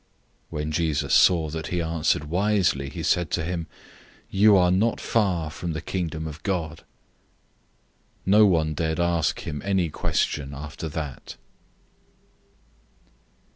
012:034 When Jesus saw that he answered wisely, he said to him, "You are not far from the Kingdom of God." No one dared ask him any question after that.